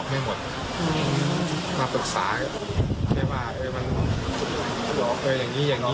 แล้วก็นึกว่าก็คงไม่เป็นไรมาก